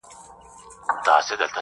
• د ژوند كولو د ريښتني انځور.